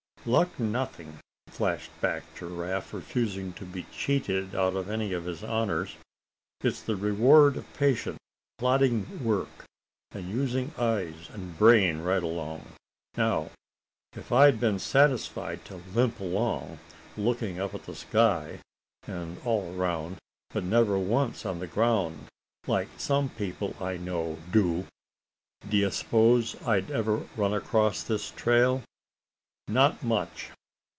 "Luck nothing," flashed back Giraffe, refusing to be cheated out of any of his honors. "It's the reward of patient, plodding work, and using eyes and brain right along. Now, if I'd been satisfied to limp along, looking up at the sky, and all around, but never once on the ground, like some people I know do, d'ye suppose I'd ever run across this trail? Not much.